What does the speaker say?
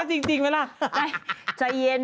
อืมอืมอืม